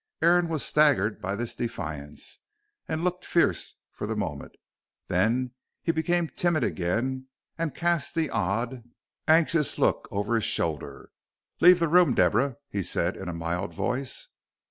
Aaron was staggered by this defiance, and looked fierce for the moment. Then he became timid again and cast the odd, anxious look over his shoulder. "Leave the room, Deborah," he said in a mild voice.